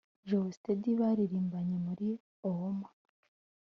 Geosteady baririmbanye muri "Owooma"